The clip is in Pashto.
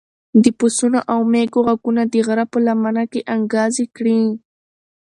د پسونو او مېږو غږونه د غره په لمنه کې انګازې کړې.